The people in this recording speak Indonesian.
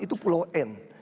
itu pulau n